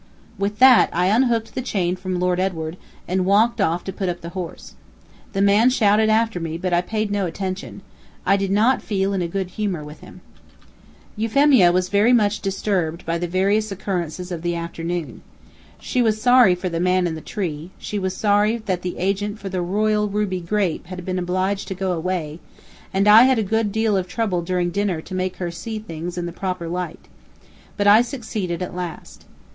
With that, I unhooked the chain from Lord Edward, and walked off to put up the horse. The man shouted after me, but I paid no attention. I did not feel in a good humor with him. Euphemia was much disturbed by the various occurrences of the afternoon. She was sorry for the man in the tree; she was sorry that the agent for the Royal Ruby grape had been obliged to go away; and I had a good deal of trouble during dinner to make her see things in the proper light. But I succeeded at last.